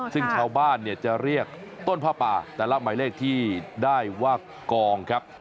ซึ่งชาวบ้านเนี่ยจะเรียกต้นผ้าป่าแต่ละหมายเลขที่ได้ว่ากองครับ